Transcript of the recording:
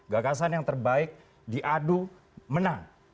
gagasan yang terbaik diadu menang